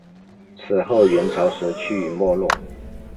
此后元朝时趋于没落。